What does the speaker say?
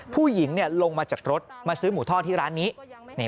ผู้หญิงลงมาจากรถมาซื้อหมูทอดที่ร้านนี้